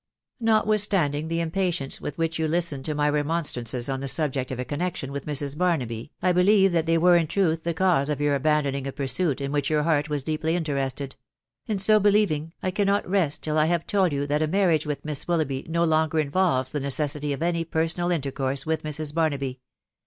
" Notwithstanding the impatience with which you listened to my remonstrances on the subject of a connexion with Mrs. Barnaby, I believe that they were in truth the cause of your abandoning a pursuit in which your heart was deeply inter ested ; and so believing, I cannot rest till I have told you that a marriage with Miss Willoughby no longer involves the necessity of any personal intercourse with Mrs. Barnabv.